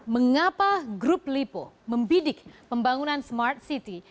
mengapa grup lipo membidik pembangunan smart city